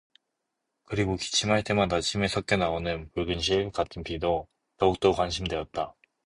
그리고 기침할 때마다 침에 섞여 나오는 붉은 실 같은 피도 더욱 더욱 관심되었다.